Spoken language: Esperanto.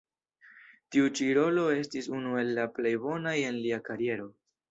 Tiu ĉi rolo estis unu el la plej bonaj en lia kariero.